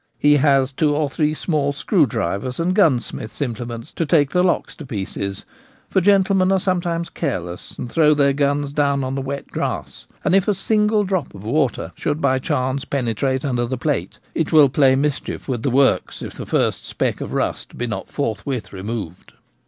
He has two or three small screwdrivers and gunsmith's implements to take the locks to pieces ; for gentlemen are sometimes careless and throw their guns down on the wet grass, and if a single drop of water should by chance penetrate under the plate it will play mischief with the works, if the first speck of rust be not forthwith removed.